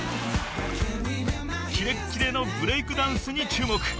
［キレッキレのブレイクダンスに注目］